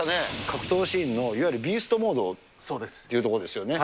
格闘シーンのいわゆるビーストモードっていうところですよね。